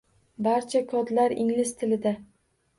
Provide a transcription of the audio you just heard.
Barcha kodlar ingliz tilida